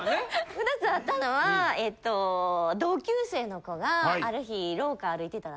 ２つあったのは同級生の子がある日廊下歩いてたらね